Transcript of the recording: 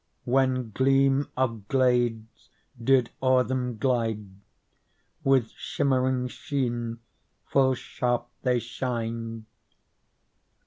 When gleam of glades did o'er them glide, With shimmering sheen full sharp they shined.